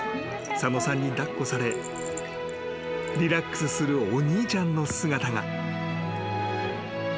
［佐野さんに抱っこされリラックスするお兄ちゃんの姿が］